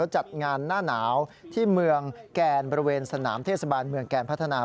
จัดงานหน้าหนาวที่เมืองแกนบริเวณสนามเทศบาลเมืองแกนพัฒนา